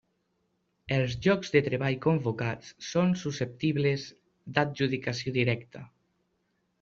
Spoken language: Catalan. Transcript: Els llocs de treball convocats són susceptibles d'adjudicació directa.